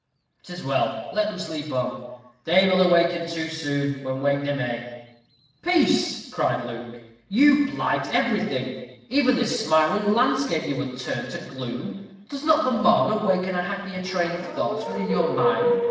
'Tis well. Let them sleep on they will awaken too soon, wake when they may ha, ha!" "Peace!" cried Luke; "you blight everything even this smiling landscape you would turn to gloom. Does not this morn awaken a happier train of thoughts within your mind?